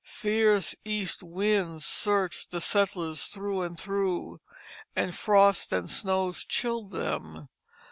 Fierce east winds searched the settlers through and through, and frosts and snows chilled them.